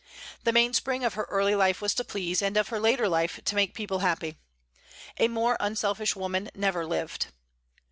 The mainspring of her early life was to please, and of her later life to make people happy. A more unselfish woman never lived.